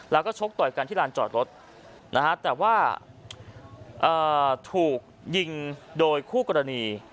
แล้วก็ชกต่อยกันที่ลานจอดรถนะฮะแต่ว่าถูกยิงโดยคู่กรณี